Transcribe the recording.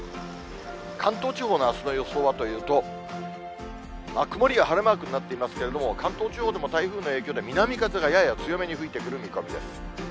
関東地方のあすの予想はというと、曇りや晴れマークになっていますけれども、関東地方でも台風の影響で南風がやや強めに吹いてくる見込みです。